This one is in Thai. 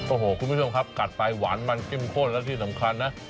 โอ้โหคุณผู้ชมครับกัดไปหวานมันเข้มข้นแล้วที่สำคัญนะ